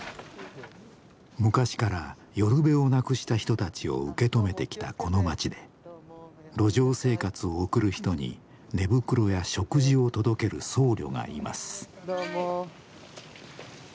昔から寄る辺をなくした人たちを受け止めてきたこの街で路上生活を送る人に寝袋や食事を届ける僧侶がいます。